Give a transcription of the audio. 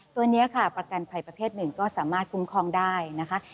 ตัวนี้ค่ะประกันภัยประเภทหนึ่งก็สามารถคุ้มครองได้นะคะ